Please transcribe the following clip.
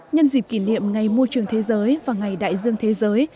nhân dịp kỷ niệm ngày môi trường thế giới và ngày đại dương thế giới